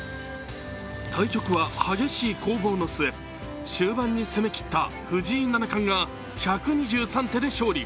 対局は激しい攻防の末、終盤に攻めきった藤井七冠が１２３手で勝利。